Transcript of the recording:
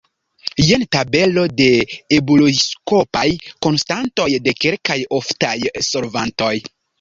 Jen tabelo de ebulioskopaj konstantoj de kelkaj oftaj solvantoj.